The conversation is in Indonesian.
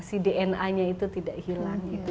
si dna nya itu tidak hilang